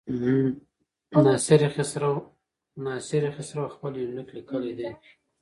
ناصر خسرو خپل يونليک ليکلی دی.